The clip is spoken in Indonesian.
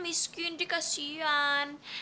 mungkin dikasih yaan